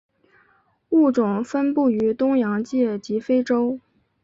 物种分布于东洋界及非洲。